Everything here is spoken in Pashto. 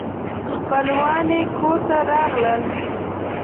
خپلوان یې کور ته راغلل.